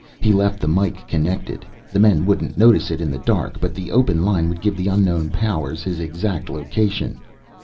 He left the mike connected the men wouldn't notice it in the dark but the open line would give the unknown powers his exact location.